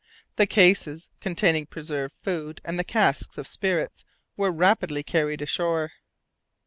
The cases containing preserved food and the casks of spirits were rapidly carried ashore.